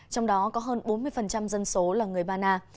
trong đó có hơn bốn mươi dân số là người ba na